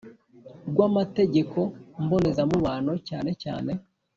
Rw amategeko mbonezamubano cyane cyane